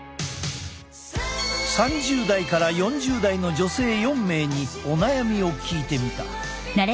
３０代から４０代の女性４名にお悩みを聞いてみた。